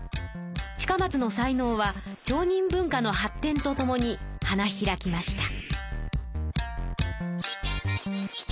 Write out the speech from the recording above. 近松の才能は町人文化の発展とともに花開きました。